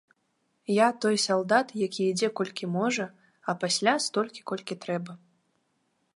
Я той салдат, які ідзе колькі можа, а пасля столькі, колькі трэба.